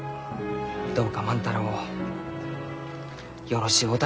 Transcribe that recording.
どうか万太郎をよろしゅうお頼申します。